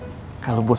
masih ada yang nungguin